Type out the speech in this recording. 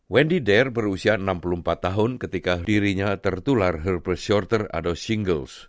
wendy dare berusia enam puluh empat tahun ketika dirinya tertular herpes sorter atau shingles